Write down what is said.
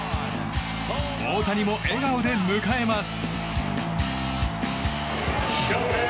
大谷も笑顔で迎えます。